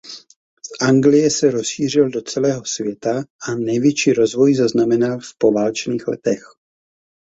Z Anglie se rozšířil do celého světa a největší rozvoj zaznamenal v poválečných letech.